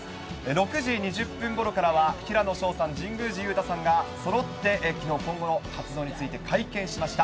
６時２０分ごろからは、平野紫燿さん、神宮寺勇太さんがそろってきのう、今後の活動について会見しました。